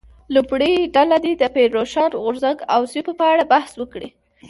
لومړۍ ډله دې د پیر روښان غورځنګ او سیمو په اړه بحث وکړي.